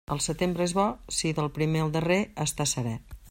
El setembre és bo si del primer al darrer està serè.